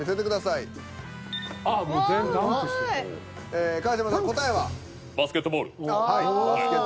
いやバスケットボール。